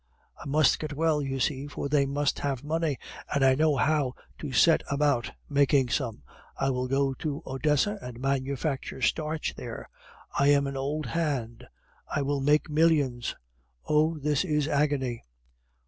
I must get well, you see; for they must have money, and I know how to set about making some. I will go to Odessa and manufacture starch there. I am an old hand, I will make millions. (Oh! this is agony!)"